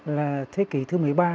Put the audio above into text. là thế kỷ thứ một mươi ba